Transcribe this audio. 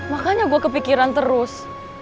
makanya gue kepikiran terus